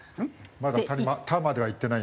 まだ「た」まではいってないね。